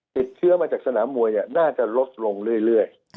ติดเชื้อมาจากสนามมวยน่าจะลดลงเรื่อย